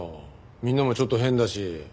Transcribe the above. みんなもちょっと変だし。